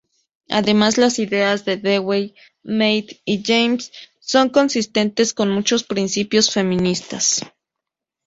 Además, las ideas de Dewey, Mead y James son consistentes con muchos principios feministas.